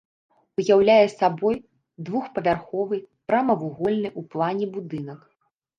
Уяўляе сабой двухпавярховы, прамавугольны ў плане будынак.